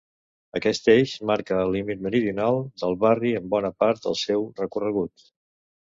Aquest eix marca el límit meridional del barri en bona part del seu recorregut.